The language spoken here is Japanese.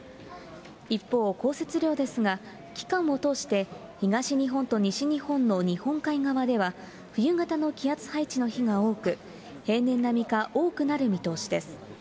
一方、降雪量ですが、期間を通して、東日本と西日本の日本海側では冬型の気圧配置の日が多く、平年並みか多くなる見通しです。